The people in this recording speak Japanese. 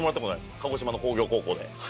鹿児島の工業高校で。